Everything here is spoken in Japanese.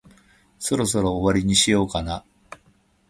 そろそろ終わりにしようかな。